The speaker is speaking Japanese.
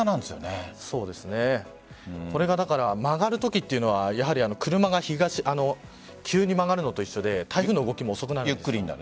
曲がるときというのは車が急に曲がるのと一緒で台風の動きも遅くなる。